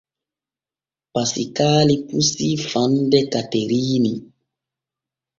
Pasikaali pusii fande Kateriini.